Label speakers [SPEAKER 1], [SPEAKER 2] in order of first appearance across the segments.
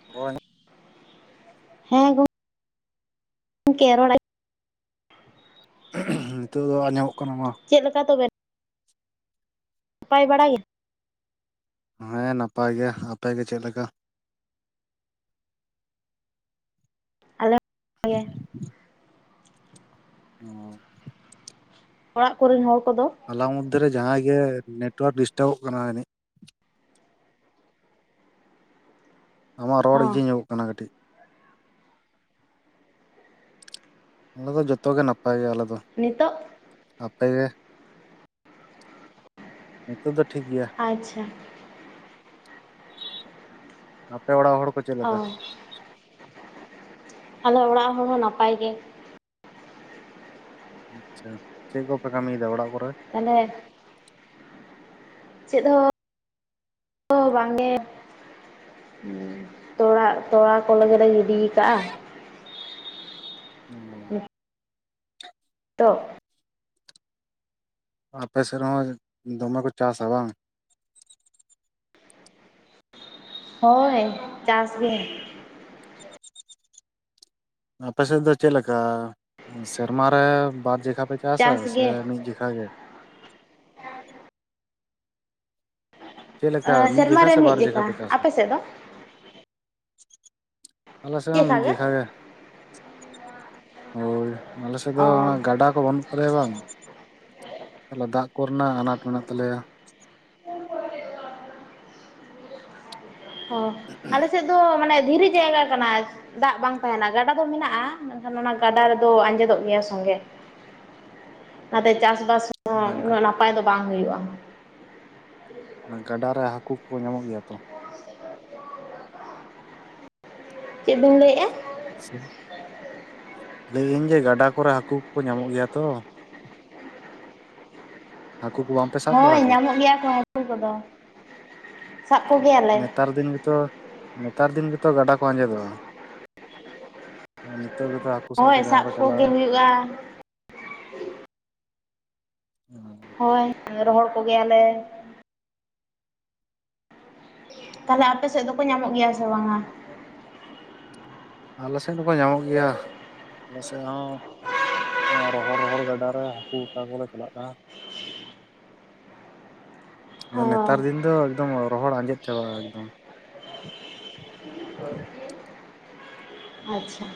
[SPEAKER 1] [inaudible]
[SPEAKER 2] ᱦᱮᱸ ᱜᱚ ᱜᱚᱝᱠᱮ ᱨᱚᱲ ᱟ
[SPEAKER 1] ᱱᱤᱛᱳᱜ ᱫᱚ ᱟᱸᱡᱚᱢᱚᱜ ᱠᱟᱱᱟ ᱢᱟ
[SPEAKER 2] ᱪᱮᱫ ᱞᱮᱠᱟ ᱛᱚᱵᱮ ᱱᱟᱯᱟᱭ ᱵᱟᱲᱟ ᱜᱮ᱾
[SPEAKER 1] ᱦᱮᱸ ᱱᱟᱯᱟᱭ ᱜᱮᱭ ᱟᱯᱮ ᱜᱮ ᱪᱮᱫ ᱞᱮᱠᱟ?
[SPEAKER 2] ᱟᱞᱮ [unintelligible] ᱜᱮ
[SPEAKER 1] ᱚ
[SPEAKER 2] ᱚᱲᱟᱜ ᱠᱚᱨᱮᱱ ᱦᱚᱲ ᱠᱚᱫᱚ?
[SPEAKER 1] ᱛᱞᱟ ᱢᱚᱫᱽᱫᱷᱮᱨᱮ ᱡᱟᱦᱟᱸᱭ ᱜᱮ ᱱᱮᱴᱚᱣᱟᱨᱠ ᱰᱤᱥᱴᱟᱵᱚᱜ ᱠᱟᱱᱟ ᱡᱟᱹᱱᱤᱡᱽ ᱟᱢᱟᱜ ᱨᱚᱲ
[SPEAKER 2] ᱦᱚᱸ
[SPEAKER 1] ᱤᱭᱟᱹ ᱧᱚᱜᱚᱜ ᱠᱟᱱᱟ ᱠᱟᱹᱴᱤᱡᱽ ᱟᱞᱮ ᱫᱚ ᱡᱚᱛᱚ ᱜᱮ ᱱᱟᱯᱟᱭ ᱜᱮ ᱟᱞᱮ ᱫᱚ
[SPEAKER 2] ᱱᱤᱛᱚᱜ
[SPEAKER 1] ᱟᱯᱮ ᱜᱮ ᱱᱤᱛᱚᱜ ᱫᱚ ᱴᱷᱤᱠ ᱜᱮᱭᱟ᱾
[SPEAKER 2] ᱟᱪᱪᱷᱟ
[SPEAKER 1] ᱟᱯᱮ ᱚᱲᱟᱜ ᱦᱚᱲ ᱠᱚ ᱪᱮᱫ
[SPEAKER 2] ᱚ,
[SPEAKER 1] ᱞᱮᱠᱟ?
[SPEAKER 2] ᱟᱞᱮ ᱚᱲᱟᱜ ᱦᱚᱲ ᱦᱚᱸ ᱱᱟᱯᱟᱭ ᱜᱮ ᱾
[SPEAKER 1] ᱟᱪᱪᱷᱟ, ᱪᱮᱫ ᱠᱚᱯᱮ ᱠᱟᱹᱢᱤᱭᱫᱟ ᱚᱲᱟᱜ ᱠᱚᱨᱮ?
[SPEAKER 2] [unintelligible] ᱪᱮᱫ ᱦᱚᱸ ᱵᱟᱝᱜᱮ ᱾ ᱦᱩᱸ ᱛᱚᱲᱟ ᱛᱚᱲᱟ ᱠᱚ ᱞᱟᱹᱜᱤᱫ ᱞᱮ ᱜᱤᱰᱤ ᱠᱟᱜᱼᱟ ᱾
[SPEAKER 1] ᱚ
[SPEAKER 2] ᱛᱚ
[SPEAKER 1] ᱟᱯᱮ ᱥᱮᱫ ᱨᱮᱦᱚᱸ ᱫᱚᱢᱮ ᱠᱚ ᱪᱟᱥᱟ ᱵᱟᱝ?
[SPEAKER 2] ᱦᱳᱭ ᱪᱟᱥ ᱜᱮ ᱾
[SPEAKER 1] ᱟᱯᱮ ᱥᱮᱫ ᱫᱚ ᱪᱮᱫᱞᱮᱠᱟ ᱥᱮᱨᱢᱟᱨᱮ ᱵᱟᱨ ᱡᱮᱠᱷᱟ ᱯᱮ ᱪᱟᱥᱟ
[SPEAKER 2] ᱪᱟᱥ
[SPEAKER 1] ᱥᱮ
[SPEAKER 2] ᱜᱮ
[SPEAKER 1] ᱢᱤᱫ ᱡᱮᱠᱷᱟ ᱜᱮ? ᱪᱮᱫ ᱞᱮᱠᱟ ᱢᱤᱫ
[SPEAKER 2] ᱥᱮᱨᱢᱟ
[SPEAKER 1] ᱡᱮᱠᱷᱟ
[SPEAKER 2] ᱨᱮ
[SPEAKER 1] ᱥᱮ ᱵᱟᱨ ᱡᱮᱠᱷᱟ ᱯᱮ ᱪᱟᱥᱟ?
[SPEAKER 2] ᱟᱯᱮ ᱥᱮᱫ ᱫᱚ
[SPEAKER 1] ᱟᱞᱮ ᱥᱮ ᱦᱚᱸ ᱢᱤᱫ ᱡᱮᱠᱷᱟ ᱜᱮ ᱾ ᱦᱳᱭ, ᱟᱞᱮ ᱥᱮᱫ ᱫᱚ
[SPEAKER 2] ᱚ
[SPEAKER 1] ᱚᱱᱟ ᱜᱟᱰᱟ ᱠᱚ ᱵᱟᱹᱱᱩᱜ ᱛᱟᱞᱮᱭᱟ ᱵᱟᱝ, ᱛᱟᱦᱚᱞᱮ ᱫᱟᱜᱽ ᱠᱚᱨᱮᱱᱟᱜ ᱟᱱᱟᱴ ᱢᱮᱱᱟᱜ ᱛᱟᱞᱮᱭᱟ ᱾
[SPEAKER 2] ᱚ, ᱟᱞᱮ ᱥᱮᱫ ᱫᱚ ᱢᱟᱱᱮ ᱫᱷᱤᱨᱤ ᱡᱟᱭᱜᱟ ᱠᱟᱱᱟ ᱾ ᱫᱟᱜᱽ ᱵᱟᱝ ᱛᱟᱦᱮᱱᱟ ᱜᱟᱰᱟ ᱫᱚ ᱢᱮᱱᱟᱜᱼᱟ, ᱢᱮᱱᱠᱷᱟᱱ ᱚᱱᱟ ᱜᱟᱰᱟ ᱨᱮᱫᱚ ᱟᱸᱡᱮᱫᱚᱜ ᱜᱮᱭᱟ ᱥᱚᱸᱜᱮ ᱾ ᱚᱱᱟᱛᱮ ᱪᱟᱥᱼᱵᱟᱥ ᱦᱚᱸ ᱩᱱᱟᱹᱜ ᱱᱟᱯᱟᱭ ᱫᱚ ᱵᱟᱝ ᱦᱩᱭᱩᱜᱼᱟ ᱾
[SPEAKER 1] ᱜᱟᱰᱟ ᱨᱮ ᱦᱟᱹᱠᱩ ᱠᱚ ᱧᱟᱢᱚᱜ ᱜᱮᱭᱟ ᱛᱚ?
[SPEAKER 2] ᱪᱮᱫ ᱵᱤᱱ ᱞᱟᱹᱭ ᱮᱜ
[SPEAKER 1] ᱞᱟᱹᱭᱟᱹᱧ ᱡᱮ ᱜᱟᱰᱟ ᱠᱚᱨᱮ ᱦᱟᱹᱠᱩ ᱠᱚᱠᱚ ᱧᱟᱢᱚᱜ ᱜᱮᱭᱟ ᱛᱚ? ᱦᱟᱹᱠᱩ ᱠᱚ ᱵᱟᱢ
[SPEAKER 2] ᱦᱳᱭ ᱧᱟᱢᱚᱜ ᱜᱮᱭᱟ ᱠᱚ ᱦᱟᱹᱠᱩ ᱠᱚᱫᱚ ᱥᱟᱵᱽ ᱠᱚᱜᱮᱭᱟ
[SPEAKER 1] ᱱᱮᱛᱟᱨ ᱫᱤᱱ ᱜᱮᱛᱚ ᱱᱮᱛᱟᱨ ᱫᱤᱱ ᱜᱮᱛᱚ ᱜᱟᱰᱟ ᱠᱚ ᱟᱸᱡᱮᱫᱚᱜᱼᱟ ᱾ ᱟᱨ ᱱᱤᱛᱚᱜ ᱜᱮᱛᱚ ᱦᱟᱹᱠᱩ ᱥᱟᱵᱽ
[SPEAKER 2] ᱦᱳᱭ
[SPEAKER 1] ᱠᱚ ᱫᱚᱢᱮ
[SPEAKER 2] ᱥᱟᱵ
[SPEAKER 1] ᱠᱚ
[SPEAKER 2] ᱠᱚᱜᱮ
[SPEAKER 1] ᱪᱟᱞᱟᱜᱼᱟ ᱾ [inaudible]
[SPEAKER 2] ᱦᱩᱭᱩᱜᱼᱟ ᱦᱳᱭ ᱨᱚᱦᱚᱲ ᱠᱚᱜᱮᱭᱟᱞᱮ ᱾ ᱛᱟᱦᱚᱞᱮ ᱟᱯᱮ ᱥᱮᱫ ᱫᱚᱠᱚ ᱧᱟᱢᱚᱜ ᱜᱮᱭᱟ ᱥᱮ ᱵᱟᱝᱟ?
[SPEAKER 1] ᱟᱞᱮ ᱥᱮᱫ ᱦᱚᱸᱠᱚ ᱧᱟᱢᱚᱜ ᱜᱮᱭᱟ, ᱟᱞᱮ ᱥᱮᱫ ᱦᱚᱸ ᱨᱚᱦᱚᱲ ᱨᱚᱦᱚᱲ ᱜᱟᱰᱟ ᱨᱮ ᱦᱟᱹᱠᱩ ᱚᱛᱟ ᱠᱚᱞᱮ ᱪᱟᱞᱟᱜ ᱠᱟᱱᱟ ᱾
[SPEAKER 2] ᱚ
[SPEAKER 1] ᱟᱫᱚ ᱱᱮᱛᱟᱨ ᱫᱤᱱ ᱫᱚ ᱮᱠᱫᱚᱢ ᱨᱚᱦᱚᱲ ᱟᱸᱡᱮᱫ ᱪᱟᱵᱟᱜᱼᱟ ᱮᱠᱫᱚᱢ
[SPEAKER 2] [inaudible] ᱟᱪᱪᱷᱟ᱾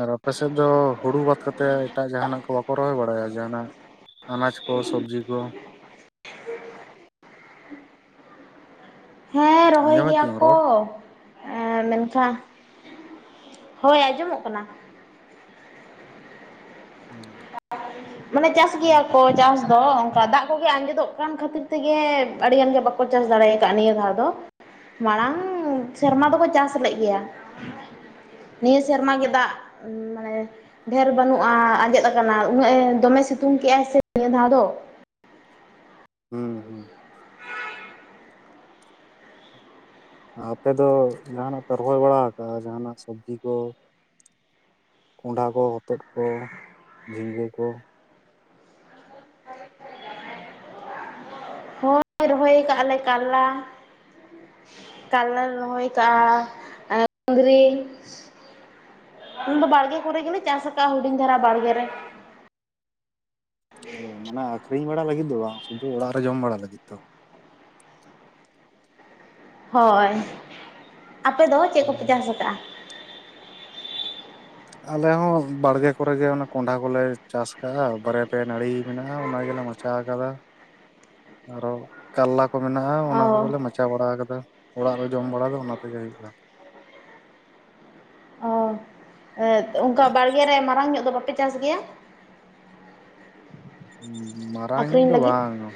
[SPEAKER 1] ᱟᱨ ᱟᱯᱮ ᱥᱮᱫ ᱫᱚ ᱦᱩᱲᱩ ᱵᱟᱫ ᱠᱟᱛᱮ ᱮᱴᱟᱜ ᱡᱟᱦᱟᱸᱱᱟᱜ ᱠᱚ ᱵᱟᱠᱚ ᱨᱚᱦᱚᱭ ᱵᱟᱲᱟᱭᱟ ᱡᱟᱦᱟᱸᱱᱟᱜ? ᱟᱱᱟᱡᱽ ᱠᱚ ᱥᱚᱵᱽᱡᱤ ᱠᱚ,
[SPEAKER 2] ᱦᱮᱸ ᱨᱚᱦᱚᱭ
[SPEAKER 1] ᱟᱸᱡᱚᱢᱮᱫ
[SPEAKER 2] ᱜᱮᱭᱟ
[SPEAKER 1] ᱛᱤᱧᱟᱹᱢ
[SPEAKER 2] ᱠᱚ᱾
[SPEAKER 1] ᱨᱚᱲ?
[SPEAKER 2] ᱮᱻ ᱢᱮᱱᱠᱷᱟᱱ ᱦᱳᱭ ᱟᱸᱡᱚᱢᱚᱜ ᱠᱟᱱᱟ᱾
[SPEAKER 1] ᱦᱩᱸ᱾
[SPEAKER 2] ᱢᱟᱱᱮ ᱪᱟᱥ ᱜᱮᱭᱟ ᱠᱚ ᱪᱟᱥ, ᱫᱚ ᱚᱱᱠᱟ ᱫᱟᱜ ᱠᱚᱜᱮ ᱟᱸᱡᱮᱫᱚᱜ ᱠᱟᱱ ᱠᱷᱟᱹᱛᱤᱨ ᱛᱮᱜᱮ ᱟᱹᱰᱤ ᱜᱟᱱ ᱜᱮ ᱵᱟᱠᱚ ᱪᱟᱥ ᱫᱟᱲᱮ ᱟᱠᱟᱫ ᱱᱤᱭᱟᱹ ᱫᱷᱟᱹᱣ ᱫᱚ᱾ ᱢᱟᱲᱟᱝ ᱥᱮᱨᱢᱟ ᱫᱚᱠᱚ ᱪᱟᱥ ᱞᱮᱫ ᱜᱮᱭᱟ᱾ ᱱᱤᱭᱟᱹ ᱥᱮᱨᱢᱟ ᱜᱮ ᱫᱟᱜ, [inaudible] ᱢᱟᱱᱮ ᱰᱷᱮᱨ ᱵᱟᱹᱱᱩᱜᱼᱟ ᱟᱸᱡᱮᱫ ᱟᱠᱟᱱᱟ, ᱩᱱᱟᱹᱜ ᱫᱚᱢᱮ ᱥᱤᱛᱩᱝ ᱠᱮᱜᱼᱟᱭ ᱥᱮ ᱱᱤᱭᱟᱹ ᱫᱷᱟᱹᱣ ᱫᱚ,
[SPEAKER 1] ᱦᱩᱸ ᱦᱩᱸ᱾
[SPEAKER 2] [inaudible]
[SPEAKER 1] ᱟᱯᱮ ᱫᱚ ᱡᱟᱦᱟᱱᱟᱜ ᱯᱮ ᱨᱚᱦᱚᱭ ᱵᱟᱲᱟ ᱟᱠᱟᱜᱼᱟ ᱡᱟᱦᱟᱱᱟᱜ ᱥᱚᱵᱽᱡᱤ ᱠᱚ? ᱠᱚᱸᱰᱷᱟ ᱠᱚ ᱦᱚᱛᱚᱫ ᱠᱚ ᱡᱷᱤᱸᱜᱟᱹ ᱠᱚ?
[SPEAKER 2] ᱦᱳᱭ ᱨᱚᱦᱚᱭ ᱠᱟᱜᱼᱟ ᱞᱮ ᱠᱟᱨᱞᱟ ᱠᱟᱨᱞᱟ ᱞᱮ ᱨᱚᱦᱚᱭ ᱠᱟᱜᱼᱟ, ᱟᱨ ᱠᱩᱸᱫᱽᱨᱤ, ᱩᱱ ᱫᱚ ᱵᱟᱲᱜᱮ ᱠᱚᱨᱮ ᱜᱮᱞᱮ ᱪᱟᱥ ᱟᱠᱟᱜᱼᱟ ᱦᱩᱰᱤᱧ ᱫᱷᱟᱨᱟ ᱵᱟᱲᱜᱮ ᱨᱮ,
[SPEAKER 1] ᱚ ᱢᱟᱱᱮ ᱟᱠᱷᱨᱤᱧ ᱵᱟᱲᱟ ᱞᱟᱹᱜᱤᱫ ᱫᱚ ᱵᱟᱝ ᱥᱩᱫᱷᱩ ᱚᱲᱟᱜ ᱨᱮ ᱡᱚᱢ ᱵᱟᱲᱟ ᱞᱟᱹᱜᱤᱫ ᱛᱚ?
[SPEAKER 2] ᱦᱳᱭ, ᱟᱯᱮ ᱫᱚ ᱪᱮᱫ ᱠᱚᱯᱮ ᱪᱟᱥ ᱟᱠᱟ?
[SPEAKER 1] ᱟᱞᱮ ᱦᱚᱸ ᱵᱟᱲᱜᱮ ᱠᱚᱨᱮ ᱜᱮ ᱚᱱᱟ ᱠᱚᱸᱰᱷᱟ ᱠᱚᱞᱮ ᱪᱟᱥ ᱠᱟᱜᱼᱟ, ᱵᱟᱨᱮ ᱯᱮᱭᱟ ᱱᱟᱹᱲᱤ ᱢᱮᱱᱟᱜᱼᱟ᱾ ᱚᱱᱟ ᱜᱮᱞᱮ ᱢᱟ ᱪᱟ ᱠᱟᱫᱟ, ᱟᱨᱚ ᱠᱟᱞᱞᱟ ᱠᱚ ᱢᱮᱱᱟᱜᱼᱟ ᱚᱱᱟ
[SPEAKER 2] ᱚ
[SPEAKER 1] ᱠᱚᱜᱮᱞᱮ ᱢᱟᱪᱟ ᱵᱟᱲᱟ ᱠᱟᱫᱟ ᱚᱲᱟᱜ ᱨᱮ ᱡᱚᱢ ᱵᱟᱲᱟ ᱫᱚ ᱚᱱᱟ ᱛᱮᱜᱮ ᱦᱩᱭᱩᱜᱼᱟ᱾
[SPEAKER 2] ᱚ ᱚᱱᱠᱟ ᱵᱟᱲᱜᱮ ᱨᱮ ᱢᱟᱨᱟᱝ ᱧᱚᱜ ᱫᱚ ᱵᱟᱯᱮ ᱪᱟᱥ ᱜᱮᱭᱟ?
[SPEAKER 1] ᱦᱩᱸ ᱢᱟᱨᱟᱝ ᱧᱚᱜ
[SPEAKER 2] ᱟᱠᱷᱨᱤᱧ
[SPEAKER 1] ᱫᱚ
[SPEAKER 2] ᱞᱟᱹᱜᱤᱫ
[SPEAKER 1] ᱵᱟᱝᱼᱟ᱾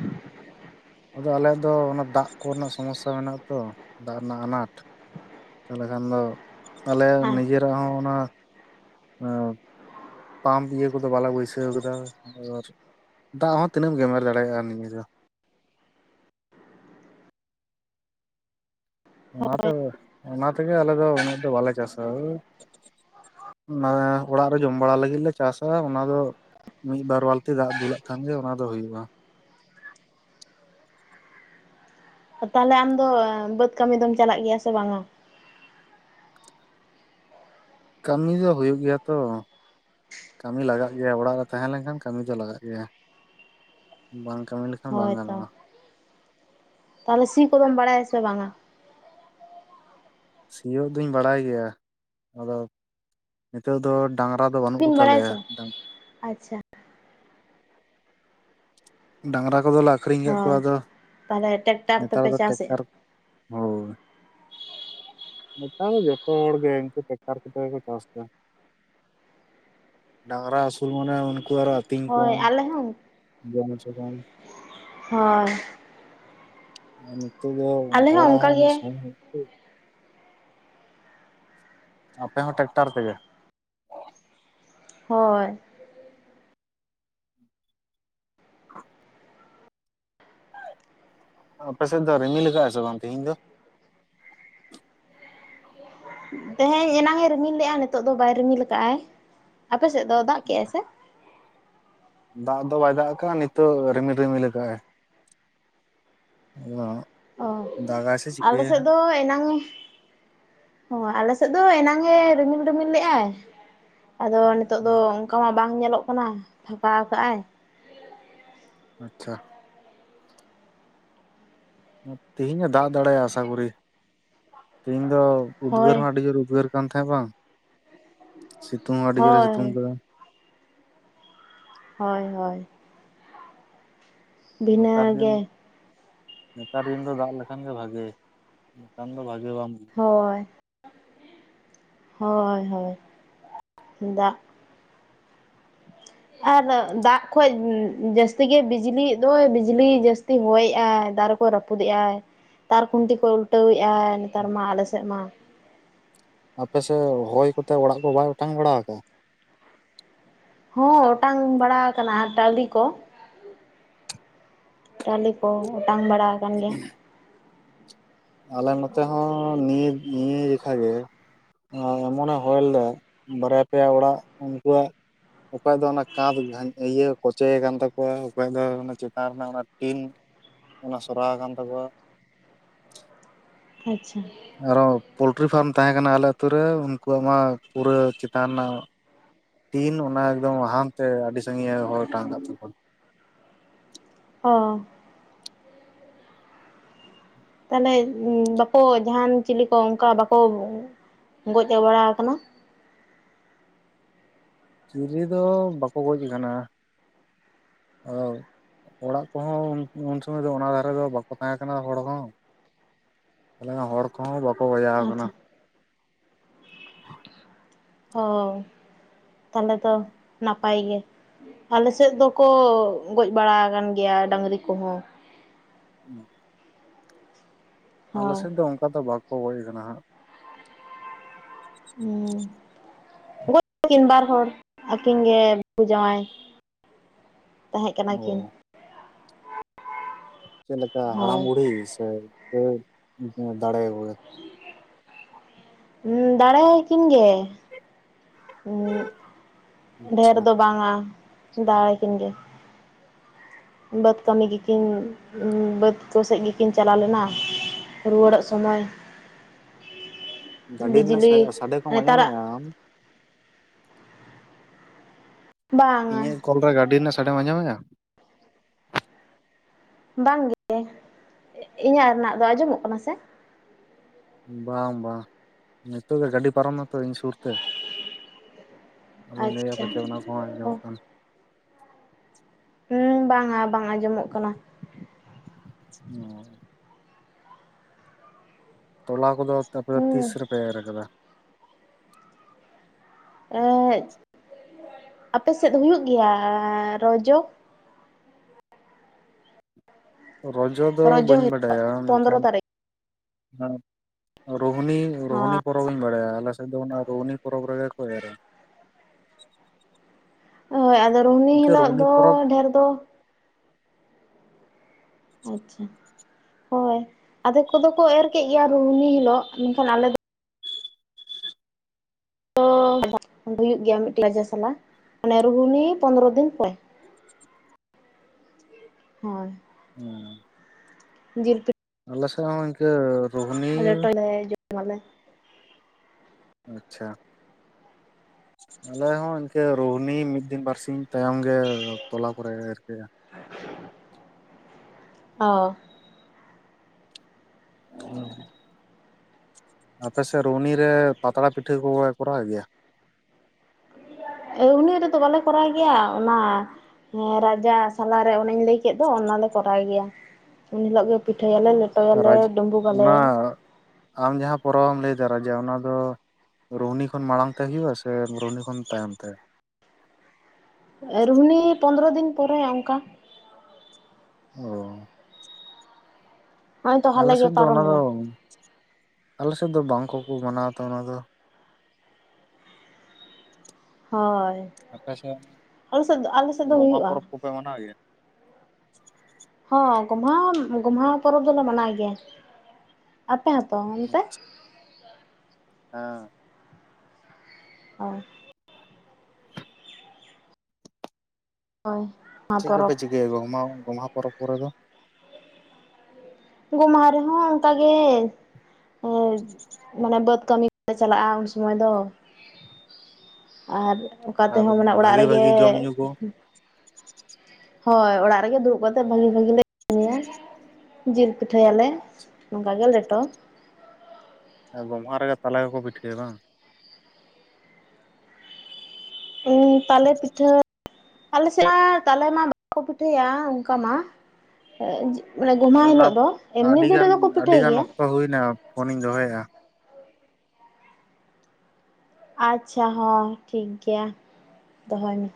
[SPEAKER 1] ᱟᱫᱚ ᱟᱞᱮᱭᱟᱜ ᱫᱚ ᱚᱱᱟ ᱫᱟᱜ ᱠᱚᱨᱮᱱᱟᱜ ᱥᱚᱢᱚᱥᱥᱟ ᱢᱮᱱᱟᱜᱼᱟ ᱛᱚ ᱫᱟᱜ ᱨᱮᱱᱟᱜ ᱟᱱᱟᱴ, ᱛᱟᱦᱚᱞᱮ ᱠᱷᱟᱱ ᱫᱚ ᱟᱞᱮᱭᱟᱜ
[SPEAKER 2] ᱦᱮᱸ
[SPEAKER 1] ᱱᱤᱡᱮᱨᱟᱜ ᱦᱚᱸ ᱚᱱᱟ ᱯᱟᱢᱯ ᱤᱭᱟᱹ ᱠᱚᱫᱚ ᱵᱟᱞᱮ ᱵᱟᱹᱭᱥᱟᱹᱣ ᱠᱟᱫᱟ ᱟᱨ ᱫᱟᱜ ᱦᱚᱸ ᱛᱤᱱᱟᱹᱜ ᱮᱢ ᱜᱮᱢᱮᱨ ᱫᱟᱲᱮᱭᱟᱜᱼᱟ ᱱᱤᱡᱮ ᱫᱚ ᱚᱱᱟᱛᱮ ᱚᱱᱟ ᱛᱮᱜᱮ ᱟᱞᱮ ᱫᱚ ᱩᱱᱟᱹᱜ ᱫᱚ ᱵᱟᱞᱮ ᱪᱟᱥᱟ [unintelligible] ᱚᱱᱟ ᱚᱲᱟᱜ ᱨᱮ ᱡᱚᱢ ᱵᱟᱲᱟ ᱞᱟᱹᱜᱤᱫᱞᱮ ᱪᱟᱥᱟ ᱚᱱᱟ ᱫᱚ, ᱢᱤᱫ ᱵᱟᱨ ᱵᱟᱞᱛᱤ ᱫᱟᱜ ᱫᱩᱞᱟᱜ ᱠᱷᱟᱱ ᱜᱮ ᱚᱱᱟ ᱫᱚ ᱦᱩᱭᱩᱜᱼᱟ᱾
[SPEAKER 2] ᱛᱟᱦᱚᱞᱮ ᱟᱢ ᱫᱚ ᱵᱟᱹᱫᱽ ᱠᱟᱹᱢᱤ ᱫᱚᱢ ᱪᱟᱞᱟᱜ ᱜᱮᱭᱟ ᱥᱮ ᱵᱟᱝᱼᱟ?
[SPEAKER 1] ᱠᱟᱹᱢᱤ ᱫᱚ ᱦᱳᱭᱳᱜ ᱜᱤᱭᱟ ᱛᱚ᱾ ᱠᱟᱹᱢᱤ ᱞᱟᱜᱟᱜ ᱜᱮᱭᱟ ᱚᱲᱟᱜ ᱨᱮ ᱛᱟᱦᱮᱸ ᱞᱮᱱᱠᱷᱟᱱ ᱠᱟᱹᱢᱤ ᱫᱚ ᱞᱟᱜᱟᱜ ᱜᱮᱭᱟ, ᱵᱟᱝ ᱠᱟᱹᱢᱤ ᱞᱮ
[SPEAKER 2] ᱦᱳᱭ ᱛᱚ, ᱛᱟᱦᱚᱞᱮ ᱥᱤ ᱠᱚᱫᱚᱢ ᱵᱟᱲᱟᱭᱟ ᱥᱮ ᱵᱟᱝᱼᱟ?
[SPEAKER 1] ᱥᱤᱭᱳᱜ ᱫᱩᱧ ᱵᱟᱲᱟᱭ ᱜᱮᱭᱟ᱾ ᱟᱫᱚ ᱱᱤᱛᱚᱜ ᱫᱚ, ᱰᱟᱝᱨᱟ ᱫᱚ ᱵᱟᱹᱱᱩᱜ
[SPEAKER 2] ᱵᱤᱱ ᱵᱟᱲᱟᱭᱟ
[SPEAKER 1] ᱠᱩᱛᱟᱞᱮᱭᱟ,
[SPEAKER 2] ᱥᱮ
[SPEAKER 1] ᱵᱟᱝ
[SPEAKER 2] ᱟᱪᱪᱷᱟ᱾
[SPEAKER 1] ᱰᱟᱝᱨᱟ ᱠᱚᱫᱚᱞᱮ ᱟᱠᱷᱨᱤᱧ ᱠᱟᱜ ᱠᱚᱣᱟ
[SPEAKER 2] ᱦᱚᱸ
[SPEAKER 1] ᱟᱫᱚ
[SPEAKER 2] ᱛᱟᱦᱚᱞᱮ ᱴᱮᱠᱴᱟᱨ
[SPEAKER 1] ᱱᱮᱛᱟᱨ
[SPEAKER 2] ᱛᱮᱯᱮ
[SPEAKER 1] ᱫᱚ
[SPEAKER 2] ᱪᱟᱥᱮᱫᱼᱟ
[SPEAKER 1] ᱴᱮᱠᱴᱟᱨ, ᱦᱳᱭ ᱱᱮᱛᱟᱨ ᱫᱚ ᱡᱷᱚᱛᱚ ᱦᱚᱲᱜᱮ ᱤᱱᱠᱟᱹ ᱴᱮᱠᱴᱟᱨ ᱠᱚᱛᱮ ᱜᱮᱠᱚ ᱪᱟᱥ ᱫᱟ᱾ ᱰᱟᱝᱨᱟ ᱟᱹᱥᱩᱞ ᱢᱟᱱᱮ ᱩᱱᱠᱩ ᱟᱨᱚ ᱟᱹᱛᱤᱧ
[SPEAKER 2] ᱦᱳᱭ
[SPEAKER 1] ᱠᱚᱢ,
[SPEAKER 2] ᱟᱞᱮ ᱦᱚᱸ
[SPEAKER 1] ᱡᱚᱢ ᱦᱚᱪᱚ ᱠᱚᱢ᱾
[SPEAKER 2] ᱦᱳᱭ᱾
[SPEAKER 1] [unintelligible] ᱱᱤᱛᱳᱜ ᱫᱚ
[SPEAKER 2] ᱟᱞᱮ
[SPEAKER 1] ᱦᱚᱲᱟᱜ
[SPEAKER 2] ᱚᱱᱠᱟ
[SPEAKER 1] ᱦᱚᱸ ᱩᱱᱟᱹᱜ
[SPEAKER 2] ᱜᱮ
[SPEAKER 1] ᱥᱚᱢᱚᱭ ᱠᱤ ᱟᱯᱮ ᱦᱚᱸ ᱴᱮᱠᱴᱟᱨ ᱛᱮᱜᱮ?
[SPEAKER 2] ᱦᱳᱭ᱾
[SPEAKER 1] ᱟᱯᱮᱥᱮᱫ ᱫᱚ ᱨᱤᱢᱤᱞ ᱠᱟᱜᱟᱭ ᱥᱮ ᱵᱟᱝ ᱛᱮᱦᱤᱧ ᱫᱚ?
[SPEAKER 2] ᱛᱮᱦᱮᱧ ᱮᱱᱟᱝᱼᱮ ᱨᱤᱢᱤᱞ ᱞᱮᱜᱼᱟ ᱱᱤᱛᱚᱜ ᱫᱚ ᱵᱟᱭ ᱨᱤᱢᱤᱞ ᱠᱟᱜᱼᱟᱭ᱾ ᱟᱯᱮ ᱥᱮᱫ ᱫᱚ ᱫᱟᱜ ᱠᱮᱜᱼᱟᱭ ᱥᱮ?
[SPEAKER 1] ᱫᱟᱜ ᱫᱚ ᱵᱟᱭ ᱫᱟᱜ ᱠᱟᱜᱼᱟ ᱱᱤᱛᱳᱜ ᱨᱤᱢᱤᱞ ᱨᱤᱢᱤᱞ ᱠᱟᱜᱼᱟᱭ᱾ [unintelligible]
[SPEAKER 2] ᱚ,
[SPEAKER 1] ᱫᱟᱜᱟᱭ ᱥᱮ
[SPEAKER 2] ᱟᱞᱮ
[SPEAKER 1] ᱪᱤᱠᱟᱹᱭᱟ
[SPEAKER 2] ᱥᱮᱫ
[SPEAKER 1] ᱦᱟᱸᱜ
[SPEAKER 2] ᱫᱚ ᱮᱱᱟᱝ ᱮ ᱚ ᱟᱞᱮ ᱥᱮᱫ ᱫᱚ ᱮᱱᱟᱝᱼᱮ ᱨᱤᱢᱤᱞ ᱨᱢᱤᱞ ᱞᱮᱜᱼᱟᱭ ᱟᱫᱚ ᱱᱤᱛᱚᱜ ᱫᱚ ᱠᱚ ᱦᱚᱸ ᱵᱟᱝ ᱧᱮᱞᱚᱜ ᱠᱟᱱᱟ ᱯᱷᱟᱠᱟ ᱠᱟᱜ ᱟᱭ᱾
[SPEAKER 1] ᱟᱪᱪᱷᱟ ᱛᱮᱦᱤᱧ ᱮ ᱫᱟᱜ ᱫᱟᱲᱮᱭᱟᱜᱼᱟ ᱟᱥᱟ ᱠᱚᱨᱤ ᱛᱮᱦᱤᱧ ᱫᱚ ᱩᱫᱽᱜᱟᱹᱨ
[SPEAKER 2] ᱦᱳᱭ
[SPEAKER 1] ᱦᱚᱸ ᱟᱹᱰᱤ ᱡᱳᱨ ᱩᱫᱽᱜᱟᱹᱨ ᱠᱟᱱ ᱛᱟᱸᱦᱮ ᱵᱟᱝ ᱥᱤᱛᱩᱝ ᱦᱚᱸ ᱟᱹᱰᱤ ᱡᱳᱨᱮ
[SPEAKER 2] ᱦᱳᱭ
[SPEAKER 1] ᱥᱤᱛᱩᱝ ᱟᱠᱟᱫᱟ᱾
[SPEAKER 2] ᱦᱳᱭ ᱦᱳᱭ
[SPEAKER 1] ᱱᱮᱛᱟᱨ
[SPEAKER 2] ᱵᱷᱤᱱᱟᱹ
[SPEAKER 1] ᱫᱤᱱ
[SPEAKER 2] ᱜᱮ
[SPEAKER 1] ᱱᱮᱛᱟᱨ ᱫᱤᱱ ᱫᱚ ᱫᱟᱜ ᱞᱮᱠᱷᱟᱱ ᱜᱮ ᱵᱷᱟᱜᱮ, ᱵᱟᱝᱠᱷᱟᱱ ᱫᱚ ᱵᱷᱟᱜᱮ ᱵᱟᱢ
[SPEAKER 2] ᱦᱳᱭ ᱦᱳᱭ ᱦᱳᱭ ᱫᱟᱜ
[SPEAKER 1] [unintelligible]
[SPEAKER 2] ᱟᱨ ᱫᱟᱜ ᱠᱷᱚᱡ ᱡᱟᱹᱥᱛᱤ ᱜᱮ ᱵᱤᱡᱽᱞᱤᱭᱮᱜ ᱫᱚᱭ ᱵᱤᱡᱽᱞᱤ ᱡᱟᱹᱥᱛᱤ ᱦᱚᱭᱮᱜ ᱟᱭ ᱫᱟᱨᱮ ᱠᱚ ᱨᱟᱹᱯᱩᱫᱮᱜ ᱟᱭ ᱛᱟᱨ ᱠᱷᱩᱱᱴᱤ ᱠᱚ ᱩᱞᱴᱟᱹᱣᱮᱟᱭ ᱱᱮᱛᱟᱨ ᱢᱟ ᱟᱞᱮᱥᱮᱫ ᱢᱟ᱾
[SPEAKER 1] ᱟᱯᱮᱥᱮᱫ ᱦᱚᱭ ᱠᱚᱛᱮ ᱚᱲᱟᱜ ᱠᱚ ᱵᱟᱭ ᱚᱴᱟᱝ ᱵᱟᱲᱟ ᱠᱟᱜᱼᱟ᱾
[SPEAKER 2] ᱦᱚᱸ ᱚᱴᱟᱝ ᱵᱟᱲᱟ ᱠᱟᱱᱟ ᱴᱟᱞᱤ ᱠᱚ᱾ ᱴᱟᱞᱤ ᱠᱚ ᱚᱴᱟᱝ ᱵᱟᱲᱟ ᱠᱟᱱ ᱜᱮᱭᱟ᱾
[SPEAKER 1] ᱟᱞᱮ ᱱᱚᱛᱮ ᱦᱚᱸ ᱱᱤᱭᱟᱹ ᱱᱤᱭᱟᱹ ᱞᱮᱠᱷᱟᱜᱮ ᱮᱢᱚᱱᱮ ᱦᱚᱭ ᱞᱮᱫ ᱵᱟᱨᱭᱟ ᱯᱮᱭᱟ ᱚᱲᱟᱜ ᱩᱱᱠᱩᱣᱟᱜ ᱚᱠᱚᱭ ᱫᱚ ᱚᱱᱟ ᱠᱟᱸᱛ ᱤᱭᱟᱹ ᱠᱚᱪᱮ ᱠᱟᱱ ᱛᱟᱠᱚᱣᱟ, ᱚᱠᱚᱭ ᱫᱚ ᱚᱱᱟ ᱪᱮᱛᱟᱱ ᱨᱮᱱᱟᱜ ᱚᱱᱟ ᱴᱤᱱ ᱚᱱᱟ ᱥᱚᱨᱟ ᱟᱠᱟᱱ ᱛᱟᱠᱚᱣᱟ ᱾
[SPEAKER 2] ᱟᱪᱪᱷᱟ
[SPEAKER 1] ᱟᱨᱚ ᱯᱳᱞᱴᱨᱤ ᱯᱷᱟᱨᱢ ᱛᱟᱦᱮᱸ ᱠᱟᱱᱟ ᱾ ᱟᱞᱮ ᱟᱹᱛᱩ ᱨᱮ ᱩᱱᱠᱩᱣᱟᱜ ᱢᱟ ᱯᱩᱨᱟᱹ ᱪᱮᱛᱟᱱ ᱨᱮᱱᱟᱜ ᱴᱤᱱ ᱚᱱᱟ ᱮᱠᱫᱚᱢ ᱦᱟᱦᱟᱢᱛᱮ ᱟᱹᱰᱤ ᱥᱟᱺᱜᱤᱧᱮ ᱦᱚᱭᱴᱟᱝ ᱟᱠᱟᱫ ᱛᱟᱵᱚᱱᱟ ᱾
[SPEAKER 2] ᱚᱸ ᱛᱟᱦᱚᱞᱮ ᱵᱟᱠᱚ ᱡᱟᱦᱟᱱ ᱪᱤᱞᱤ ᱠᱚ ᱚᱱᱠᱟ ᱵᱟᱠᱚ ᱜᱚᱡ ᱵᱟᱲᱟ ᱟᱠᱟᱱᱟ ᱾
[SPEAKER 1] ᱪᱤᱞᱤ ᱫᱚ ᱵᱟᱠᱚ ᱜᱚᱡ ᱟᱠᱟᱱᱟ ᱟᱣ ᱚᱲᱟᱜ ᱠᱚᱦᱚᱸ ᱩᱱ ᱥᱚᱢᱚᱭ ᱫᱚ ᱚᱱᱟ ᱫᱷᱟᱨᱮ ᱫᱚ ᱵᱟᱠᱚ ᱛᱟᱦᱮᱸ ᱠᱟᱱᱟ ᱦᱚᱲ ᱦᱚᱸ ᱾ ᱛᱟᱦᱞᱮ ᱦᱚᱲ ᱠᱚᱦᱚᱸ ᱵᱟᱠᱚ ᱵᱟᱡᱟᱣ ᱟᱠᱟᱱᱟ
[SPEAKER 2] ᱟᱪᱪᱷᱟ
[SPEAKER 1] ᱾
[SPEAKER 2] ᱦᱚᱸ ᱛᱟᱦᱚᱞᱮ ᱫᱚ ᱱᱟᱯᱟᱭ ᱜᱮ ᱾ ᱟᱞᱮᱥᱮᱫ ᱫᱚᱠᱚ ᱜᱚᱡ ᱵᱟᱲᱟ ᱟᱠᱟᱱ ᱜᱮᱭᱟ ᱰᱟᱹᱝᱨᱤ ᱠᱚᱦᱚᱸ ᱾
[SPEAKER 1] ᱦᱮᱸ [unintelligible]
[SPEAKER 2] ᱦᱳᱭ
[SPEAKER 1] ᱟᱞᱮᱥᱮᱫ ᱫᱚ ᱚᱱᱠᱟ ᱫᱚ ᱵᱟᱠᱚ ᱜᱚᱡ ᱟᱠᱟᱱᱟ ᱦᱟᱸᱜ ᱾
[SPEAKER 2] ᱦᱮᱸ ᱜᱚᱡᱠᱤᱱ ᱵᱟᱨ ᱦᱚᱲ ᱟᱹᱠᱤᱱ ᱜᱮ ᱵᱟᱹᱦᱩ ᱡᱟᱶᱟᱭ ᱛᱟᱦᱮᱸᱜ ᱠᱟᱱᱟ
[SPEAKER 1] ᱚ
[SPEAKER 2] ᱠᱤᱱ ᱾
[SPEAKER 1] ᱪᱮᱫ ᱞᱮᱠᱟ ᱦᱟᱲᱟᱢ
[SPEAKER 2] ᱦᱳᱭ
[SPEAKER 1] ᱵᱩᱲᱦᱤ ᱥᱮ ᱫᱟᱲᱮ?
[SPEAKER 2] ᱦᱩᱸ ᱫᱟᱲᱮᱠᱤᱱ ᱜᱮ ᱾ ᱰᱷᱮᱨ
[SPEAKER 1] ᱟᱪᱪᱷᱟ
[SPEAKER 2] ᱫᱚ ᱵᱟᱝᱼᱟ ᱫᱟᱲᱮ ᱠᱤᱱ ᱜᱮ ᱾ ᱵᱟᱹᱫᱽ ᱠᱟᱹᱢᱤ ᱜᱮᱠᱤᱱ, ᱵᱟᱹᱫᱽ ᱠᱚ ᱥᱮᱫ ᱜᱮᱠᱤᱱ ᱪᱟᱞᱟᱣ ᱞᱮᱱᱟ ᱾ ᱨᱩᱣᱟᱹᱲᱚᱜ ᱥᱚᱢᱚᱭ ᱾
[SPEAKER 1] ᱜᱟᱹᱰᱤ ᱨᱮᱱᱟᱜ
[SPEAKER 2] ᱵᱤᱡᱽᱞᱤ
[SPEAKER 1] ᱥᱟᱭᱟ ᱥᱟᱰᱮ ᱠᱚᱢ
[SPEAKER 2] ᱱᱮᱛᱟᱨᱟᱜ
[SPEAKER 1] ᱟᱸᱡᱚᱢᱮᱫᱼᱟ, ᱟᱢ?
[SPEAKER 2] ᱵᱟᱝᱟ
[SPEAKER 1] ᱤᱧᱟᱹᱜ ᱠᱚᱞ ᱨᱮ ᱜᱟᱹᱰᱤ ᱨᱮᱱᱟᱜ ᱥᱟᱰᱮᱢ ᱟᱸᱡᱚᱢᱮᱫᱼᱟ?
[SPEAKER 2] ᱵᱟᱝ ᱜᱮ, ᱤᱧᱟᱹᱜ ᱨᱮᱱᱟᱜ ᱫᱚ ᱟᱸᱡᱚᱢᱚᱜ ᱠᱟᱱᱟ ᱥᱮ?
[SPEAKER 1] ᱵᱟᱝ ᱵᱟᱝ ᱱᱤᱛᱚᱜ ᱜᱮ ᱜᱟᱹᱰᱤ ᱯᱟᱨᱚᱢᱱᱟᱛᱚ ᱤᱧ ᱥᱩᱨ ᱛᱮ ᱟᱫᱚᱧ ᱞᱟᱹᱭᱟ
[SPEAKER 2] ᱟᱪᱪᱷᱟ
[SPEAKER 1] ᱯᱟᱪᱮᱫ ᱚᱱᱟ ᱠᱚᱦᱚᱸ ᱟᱸᱡᱚᱢᱚᱜ
[SPEAKER 2] ᱚ
[SPEAKER 1] ᱠᱟᱱᱟ ᱾
[SPEAKER 2] ᱦᱮᱸ ᱵᱟᱝᱼᱟ ᱵᱟᱝ ᱟᱸᱡᱚᱢᱚᱜ ᱠᱟᱱᱟ ᱾
[SPEAKER 1] [unintelligible] ᱴᱚᱞᱟ ᱠᱚᱫᱚ ᱛᱟᱯᱮ ᱫᱚ ᱛᱤᱥ
[SPEAKER 2] ᱦᱩᱸ
[SPEAKER 1] ᱨᱮᱯᱮ ᱮᱨ ᱟᱠᱟᱫᱟ?
[SPEAKER 2] ᱮᱸ ᱟᱯᱮ ᱥᱮᱫ ᱦᱩᱭᱩᱜ ᱜᱮᱭᱟ ᱨᱚᱡᱚ?
[SPEAKER 1] ᱨᱚᱡᱚ ᱫᱚ
[SPEAKER 2] ᱨᱚᱡᱚ
[SPEAKER 1] ᱵᱟᱹᱧ ᱵᱟᱰᱟᱭᱟ᱾
[SPEAKER 2] ᱯᱚᱸᱫᱽᱨᱚ
[SPEAKER 1] ᱢᱮᱱᱠᱷᱟᱱ
[SPEAKER 2] ᱛᱟᱹᱨᱤᱠᱷ
[SPEAKER 1] ᱨᱳᱦᱱᱤ ᱨᱩᱦᱱᱤ
[SPEAKER 2] ᱦᱚᱸ
[SPEAKER 1] ᱯᱚᱨᱚᱵᱽ ᱤᱧ ᱵᱟᱲᱟᱭᱟ ᱾ ᱟᱞᱮᱥᱮᱫ ᱫᱚ ᱚᱱᱟ ᱨᱩᱦᱱᱤ ᱯᱚᱨᱚᱵᱽ ᱨᱮᱜᱮ ᱠᱚ ᱮᱨᱟ ᱾
[SPEAKER 2] ᱦᱳᱭ ᱟᱫᱚ ᱨᱩᱦᱱᱤ
[SPEAKER 1] ᱤᱱᱠᱟᱹ
[SPEAKER 2] ᱦᱤᱞᱳᱜ
[SPEAKER 1] ᱨᱳᱦᱱᱤ
[SPEAKER 2] ᱫᱚ
[SPEAKER 1] ᱯᱚᱨᱚᱵᱽ
[SPEAKER 2] ᱰᱷᱮᱨ ᱫᱚ ᱟᱪᱪᱷᱟ ᱦᱳᱭ ᱟᱫᱷᱮᱠ ᱠᱚᱫᱚ ᱠᱚ ᱮᱨ ᱠᱮᱜ ᱜᱮᱭᱟ ᱨᱩᱦᱱᱤ ᱦᱤᱞᱳᱜ ᱢᱮᱱᱠᱷᱟᱱ ᱟᱞᱮ ᱫᱚ [unintelligible] ᱦᱩᱭᱩᱜ ᱜᱮᱭᱟ ᱢᱤᱫᱴᱟ ᱨᱚᱡᱚᱥᱟᱞᱟ ᱢᱚᱱᱮ ᱨᱩᱜᱩᱱᱤ ᱯᱚᱱᱫᱨᱚ ᱫᱤᱱ ᱯᱚᱨᱮ ᱦᱳᱭ
[SPEAKER 1] ᱦᱩᱸ
[SPEAKER 2] ᱡᱤᱞ ᱯᱤ
[SPEAKER 1] ᱟᱞ ᱥᱮᱜ ᱦᱚᱸ ᱤᱱᱠᱟᱹ ᱨᱳᱦᱱᱤ
[SPEAKER 2] ᱞᱮᱴᱚ ᱞᱮ ᱡᱚ ᱢᱟᱞᱮ ᱾
[SPEAKER 1] ᱟᱪᱪᱷᱟ ᱟᱞᱮ ᱦᱚᱸ ᱤᱱᱠᱟᱹ ᱨᱩᱦᱱᱤ ᱢᱤᱫ ᱫᱤᱱ ᱵᱟᱨᱥᱤᱧ ᱛᱟᱭᱚᱢ ᱜᱮ ᱛᱚᱞᱟ ᱠᱚᱨᱮ ᱮᱨ ᱠᱮᱼᱟ ᱾
[SPEAKER 2] ᱚ
[SPEAKER 1] [inaudible] ᱟᱯᱮᱥᱮᱫ ᱨᱩᱦᱱᱤ ᱨᱮ ᱯᱟᱛᱲᱟ ᱯᱤᱴᱷᱟᱹ ᱠᱚᱜᱮ ᱠᱚᱨᱟᱣ ᱜᱮᱭᱟ?
[SPEAKER 2] ᱨᱩᱦᱱᱤ ᱨᱮᱫᱚ ᱵᱟᱞᱮ ᱠᱚᱨᱟᱣ ᱜᱮᱭᱟ ᱚᱱᱟ ᱨᱟᱡᱟ ᱥᱟ ᱥᱟᱞᱟᱨᱮ ᱚᱱᱤᱧ ᱞᱟᱹᱭ ᱠᱮᱫ ᱫᱚ ᱚᱱᱟᱞᱮ ᱠᱚᱨᱟᱣ ᱜᱮᱭᱟ, ᱩᱱ ᱦᱤᱞᱳᱜ ᱜᱮ ᱯᱤᱴᱷᱟᱹ ᱭᱟᱞᱮ ᱞᱮ ᱴᱚ ᱭᱟᱞᱮ
[SPEAKER 1] ᱨᱟᱡᱽ
[SPEAKER 2] ᱰᱩᱸᱵᱩᱜ ᱜᱟᱞᱮ
[SPEAKER 1] ᱚᱱᱟ
[SPEAKER 2] ᱾
[SPEAKER 1] ᱟᱢ ᱡᱟᱦᱟᱸ ᱯᱚᱨᱚᱵᱽ ᱮᱢ ᱞᱟᱹᱭᱫᱟ ᱨᱟᱡᱟ ᱚᱱᱟ ᱫᱚ ᱨᱩᱦᱱᱤ ᱠᱷᱚᱱ ᱢᱟᱲᱟᱝ ᱛᱮ ᱦᱩᱭᱩᱜᱼᱟ ᱥᱮ ᱨᱩᱦᱱᱤ ᱠᱷᱚᱱ ᱛᱟᱭᱚᱢ ᱛᱮ
[SPEAKER 2] ᱨᱩᱦᱱᱤ ᱯᱚᱱᱫᱽᱨᱚ ᱫᱤᱱ ᱯᱚᱨᱮ ᱚᱱᱠᱟ
[SPEAKER 1] ᱚ
[SPEAKER 2] ᱱᱚᱜᱼᱚᱭ ᱛᱚ ᱦᱟᱞᱮ
[SPEAKER 1] ᱟᱞᱮ
[SPEAKER 2] ᱜᱮ
[SPEAKER 1] ᱥᱮᱫ ᱫᱚ ᱚᱱᱟ ᱫᱚ
[SPEAKER 2] ᱯᱟᱨᱚᱢᱮᱱᱟ
[SPEAKER 1] ᱟᱞᱮ ᱥᱮᱫ ᱫᱚ ᱵᱟᱝ ᱠᱚᱠᱚ ᱢᱟᱱᱟᱣᱛᱚ ᱚᱱᱟ ᱫᱚ᱾
[SPEAKER 2] ᱦᱳᱭ
[SPEAKER 1] ᱟᱯᱮ ᱥᱮᱫ
[SPEAKER 2] ᱟᱞᱮ ᱥᱮᱫ ᱫᱚ ᱟᱞᱮ ᱥᱮᱫ ᱫᱚ ᱦᱩᱭᱩᱜᱼᱟ᱾
[SPEAKER 1] [unintelligible] ᱢᱟᱱᱟ ᱜᱮᱭᱟ?
[SPEAKER 2] ᱦᱚᱸ ᱜᱚᱸᱢᱦᱟ ᱜᱚᱸᱢᱦᱟ ᱯᱚᱨᱚᱵᱽ ᱫᱚᱞᱮ ᱢᱟᱱᱟᱣ ᱜᱮᱭᱟ ᱟᱯᱮ ᱦᱚᱸᱛᱚ ᱚᱱᱛᱮ
[SPEAKER 1] ᱦᱚᱸ
[SPEAKER 2] ᱚ ᱦᱳᱭ ᱜᱚᱢᱦᱟ
[SPEAKER 1] ᱪᱮᱫ ᱠᱚᱯᱮ
[SPEAKER 2] ᱯᱚᱨᱚᱵᱽ
[SPEAKER 1] ᱪᱤᱠᱟᱹᱭᱟ ᱜᱚᱸᱢᱦᱟ ᱜᱚᱸᱢᱦᱟ ᱯᱚᱨᱚᱵᱽ ᱠᱚᱨᱮ ᱫᱚ?
[SPEAKER 2] ᱜᱚᱸᱢᱦᱟ ᱨᱮᱦᱚᱸ ᱚᱱᱠᱟ ᱜᱮ ᱢᱟᱱᱮ ᱵᱟᱹᱫᱽ ᱠᱟᱹᱢᱤ ᱞᱮ ᱪᱟᱞᱟᱜᱼᱟ ᱩᱱ ᱥᱚᱢᱚᱭ ᱫᱚ ᱟᱨ ᱚᱠᱟ
[SPEAKER 1] ᱟᱨ
[SPEAKER 2] ᱛᱮᱦᱚᱸ ᱢᱟᱱᱮ ᱚᱲᱟᱜ
[SPEAKER 1] ᱵᱷᱟᱜᱤ
[SPEAKER 2] ᱨᱮᱜᱮ
[SPEAKER 1] ᱵᱷᱟᱜᱤ ᱡᱚᱢ ᱧᱩ ᱠᱚ
[SPEAKER 2] ᱦᱳᱭ ᱚᱲᱟᱜ ᱨᱮᱜᱮ ᱫᱩᱲᱩᱵ ᱠᱟᱛᱮ ᱵᱷᱟᱹᱜᱤ ᱵᱷᱟᱹᱜᱤ ᱞᱮ ᱤᱭᱟ ᱡᱤᱞ ᱯᱤᱴᱷᱟᱹ ᱭᱟᱞᱮ ᱱᱚᱝᱠᱟ ᱜᱮ ᱞᱮᱴᱚ
[SPEAKER 1] ᱜᱚᱸᱢᱦᱟ ᱨᱮᱜᱮ ᱛᱟᱞᱮ ᱠᱚ ᱠᱚ ᱯᱤᱴᱷᱟᱹᱭᱟ ᱵᱟᱝ?
[SPEAKER 2] ᱦᱩ ᱛᱟᱞᱮ ᱯᱤᱴᱷᱟᱹ ᱟᱞᱮᱥᱮᱫ ᱢᱟ ᱛᱟᱞᱮ ᱢᱟ ᱵᱟᱠᱚ ᱯᱤᱴᱷᱟᱹᱭᱟ ᱚᱱᱠᱟ ᱢᱟ ᱮ ᱡᱤ ᱢᱟᱱᱮ ᱜᱚᱸᱢᱦᱟ
[SPEAKER 1] ᱦᱳᱭ ᱢᱟ
[SPEAKER 2] ᱦᱤᱞᱳᱜ ᱫᱚ ᱮᱢᱱᱤ
[SPEAKER 1] ᱟᱹᱰᱤ
[SPEAKER 2] ᱫᱤᱱ
[SPEAKER 1] ᱜᱟᱱ
[SPEAKER 2] ᱨᱮᱫᱚ ᱠᱚ
[SPEAKER 1] ᱟᱹᱰᱤ
[SPEAKER 2] ᱯᱤᱴᱷᱟᱹᱭ
[SPEAKER 1] ᱜᱟᱱ
[SPEAKER 2] ᱜᱮᱭᱟ᱾
[SPEAKER 1] ᱚᱠᱛᱚ ᱦᱩᱭᱱᱟ ᱯᱷᱳᱱ ᱤᱧ ᱫᱚᱦᱚᱭᱼᱟ᱾
[SPEAKER 2] ᱟᱪᱪᱷᱟ ᱦᱚᱸ ᱴᱷᱤᱠ ᱜᱮᱭᱟ ᱫᱚᱦᱚᱭ ᱢᱮ᱾